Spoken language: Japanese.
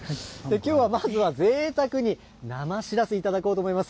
きょうまずはぜいたくに生しらすいただこうと思います。